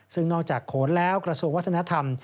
ซึ่งนอกจากโขนแล้วกระทรวงวัฒนธรรม